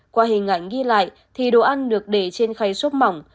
qua hình ảnh ghi lại thì đồ ăn được để trên khay xốp mỏng